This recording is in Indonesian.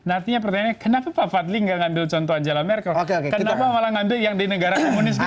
artinya pertanyaannya kenapa pak fadli tidak mengambil contoh angela merkel kenapa malah mengambil yang di negara komunis